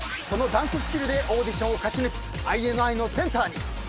そのダンススキルでオーディションを勝ち抜きＩＮＩのセンターに。